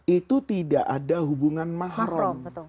itu tidak ada hubungan mahrum